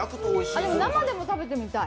生でも食べてみたい。